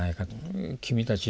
君たち